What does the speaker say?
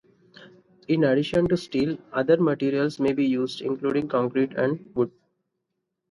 In addition to steel, other materials may be used, including concrete and wood.